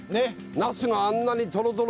ナスがあんなにとろとろ。